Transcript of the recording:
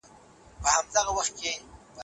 آيا د سياست د پېژندني پر سر ټکرونه سته؟